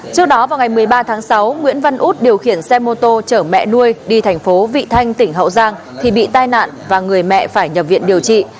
trước đó vào ngày một mươi ba tháng sáu nguyễn văn út điều khiển xe mô tô chở mẹ nuôi đi thành phố vị thanh tỉnh hậu giang thì bị tai nạn và người mẹ phải nhập viện điều trị